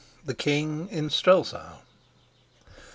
THE KING IN STRELSAU MR.